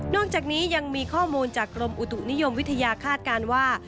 อกจากนี้ยังมีข้อมูลจากกรมอุตุนิยมวิทยาคาดการณ์ว่า